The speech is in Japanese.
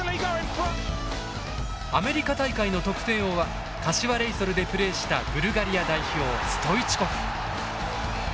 アメリカ大会の得点王は柏レイソルでプレーしたブルガリア代表ストイチコフ。